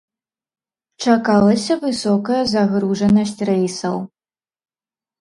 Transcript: Чакалася высокая загружанасць рэйсаў.